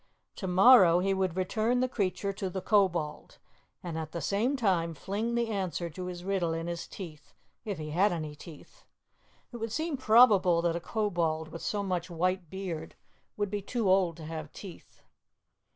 To morrow he would return the creature to the Kobold, and at the same time fling the answer to his riddle in his teeth if he had any teeth. It would seem probable that a Kobold with so much white beard would be too old to have teeth.